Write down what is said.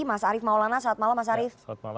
mas arief maulana selamat malam mas arief